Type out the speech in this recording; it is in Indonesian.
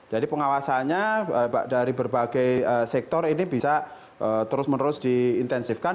jadi pengawasannya dari berbagai sektor ini bisa terus menerus diintensifkan